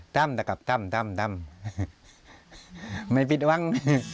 ตั้งแต่กับตั้งไม่ปิดว่าง